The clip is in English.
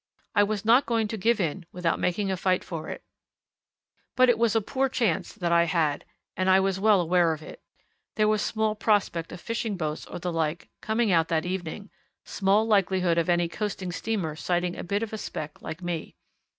I was not going to give in without making a fight for it. But it was a poor chance that I had and I was well aware of it. There was small prospect of fishing boats or the like coming out that evening; small likelihood of any coasting steamer sighting a bit of a speck like me.